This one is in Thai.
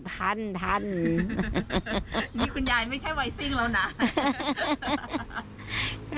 นี่คุณยายไม่ใช่ไหวซิ่งแล้วนะ